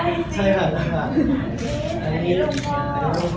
อันนี้ก็มองดูนะคะ